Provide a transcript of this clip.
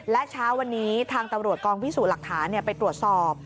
และเช้าวันนี้ทางตำรวจกองพิสูจน์หลักฐานไปตรวจสอบ